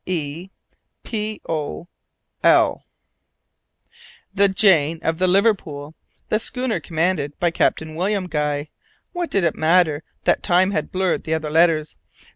E.PO.L. The Jane of Liverpool! The schooner commanded by Captain William Guy! What did it matter that time had blurred the other letters?